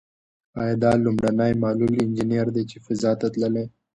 ایا دا لومړنۍ معلول انجنیر ده چې فضا ته تللې؟